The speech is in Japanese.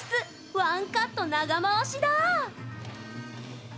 １カット長回しだ！